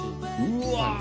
うわ。